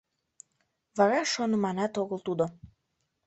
Вара шоныманат огыл тудо...